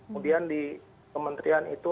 kemudian di kementerian itu